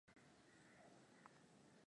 benki kuu ya tanzania ina muundo wa bodi yake